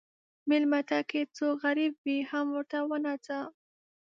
مېلمه ته که څوک غریب وي، هم ورته وناځه.